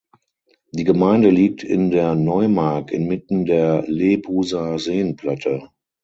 Die Gemeinde liegt in der Neumark inmitten der Lebuser Seenplatte.